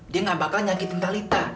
dia gak bakal nyakitin talitha